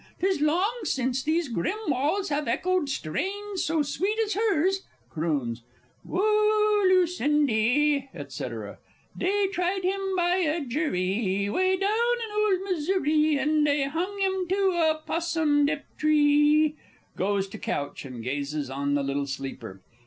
'Tis long since these grim walls have echoed strains so sweet as hers. (Croons.) "Woa, Lucindy" &c. "Dey tried him by a Jury, way down in ole Missouri, an' dey hung him to a possumdip tree!" (_Goes to couch, and gazes on the little sleeper.